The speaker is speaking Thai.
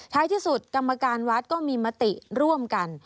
ที่สุดกรรมการวัดก็มีมติร่วมกัน